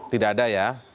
tidak ada ya